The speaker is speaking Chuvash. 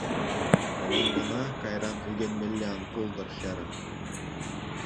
Хӑвӑн кӑна кайран ӳкӗнмелле ан пултӑр, хӗрӗм.